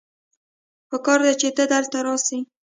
پکار دی چې ته دلته راسې